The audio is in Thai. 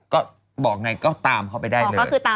ก็บอกไงก็ตามเขาไปได้เลย